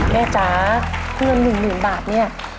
แม่จ๊าเพื่อนหนึ่งบาทเนี่ย